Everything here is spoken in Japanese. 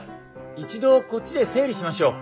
一度こっちで整理しましょう。